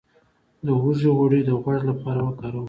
د هوږې غوړي د غوږ لپاره وکاروئ